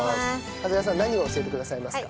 長谷川さん何を教えてくださいますか？